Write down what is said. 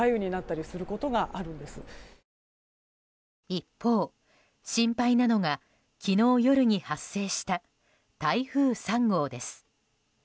一方、心配なのが昨日夜に発生した台風３号です。